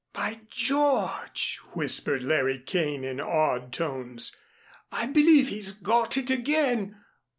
"By George!" whispered Larry Kane, in awed tones, "I believe he's got it again.